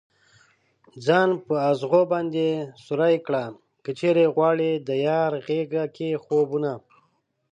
ځان په ازغو باندې سوری كړه كه چېرې غواړې ديار غېږه كې خوبونه